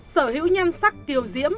sở hữu nhan sắc tiều diễm